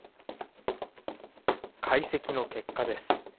解析の結果です。